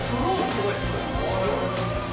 ・すごい！